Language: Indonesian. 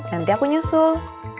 nanti aku nyusul